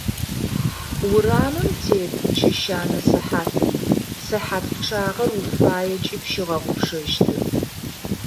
Урамым тет чэщанэ сыхьатым, сыхьат пчъагъэр уфаекӏи пщигъэгъупшэщтэп.